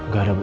gak ada bu